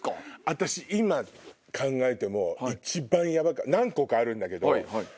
私今考えても一番ヤバかった何個かあるんだけど。